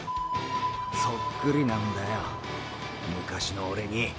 そっくりなんだよ昔のオレに。